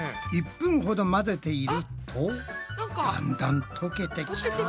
１分ほど混ぜているとだんだんとけてきた！